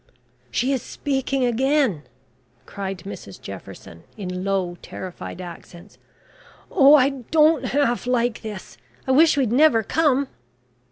"She is speaking again," cried Mrs Jefferson, in low, terrified accents. "Oh, I don't half like this. I wish we had never come."